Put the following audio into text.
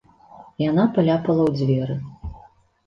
Яна паляпала ў дзверы.